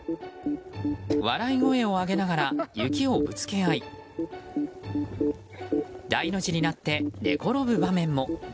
笑い声を上げながら雪をぶつけ合い大の字になって寝転ぶ場面も。